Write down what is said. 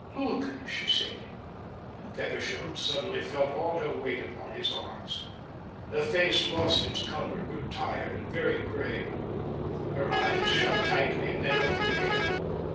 "Look!" she said, and Feversham suddenly felt all her weight upon his arms. Her face lost its colour and grew tired and very grey. Her eyes shut tightly and then opened again.